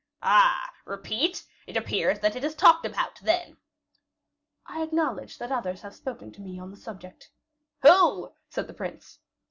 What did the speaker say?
"Ah! repeat? It appears that it is talked about, then?" "I acknowledge that others have spoken to me on the subject." "Who?" said the prince.